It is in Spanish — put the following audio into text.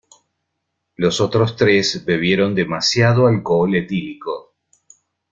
Los otros tres bebieron demasiado alcohol etílico.